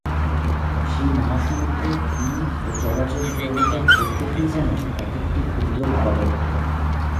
সেই মহাসমুদ্রে তিনি ও চরাচর জগতের প্রত্যেকেই যেন এক-একটি ক্ষুদ্র ভাবাবর্ত।